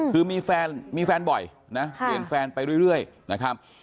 คือมีแฟนมีแฟนบ่อยนะเปลี่ยนแฟนไปเรื่อยนะครับ